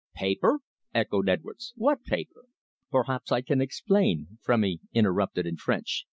"Paper!" echoed Edwards. "What paper?" "Perhaps I can explain something," Frémy interrupted in French.